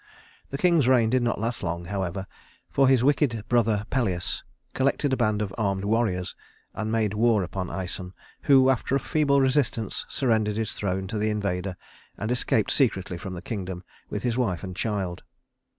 The king's reign did not last long, however, for his wicked brother Pelias collected a band of armed warriors and made war upon Æson, who, after a feeble resistance, surrendered his throne to the invader and escaped secretly from the kingdom with his wife and child.